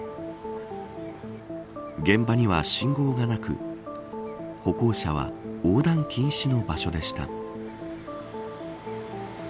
現場には信号がなく歩行者は横断禁止の場所でした。